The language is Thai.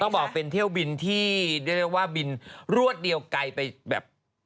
บอกเป็นเที่ยวบินที่เรียกได้ว่าบินรวดเดียวไกลไปแบบ